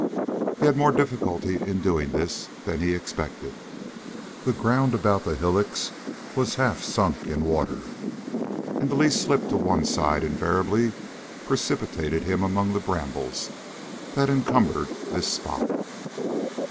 He had more difficulty in doing this than he expected. The ground about the hillocks was half sunk in water, and the least slip to one side invariably precipitated him among the brambles that encumbered this spot.